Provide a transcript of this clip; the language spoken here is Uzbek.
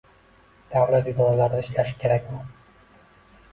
Davlat idoralarida ishlashi kerak u.